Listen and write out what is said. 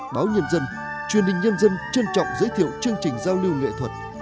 báo nhân dân truyền hình nhân dân trân trọng giới thiệu chương trình giao lưu nghệ thuật